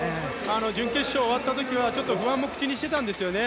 準決勝、終わった時はちょっと不安も口にしてたんですよね。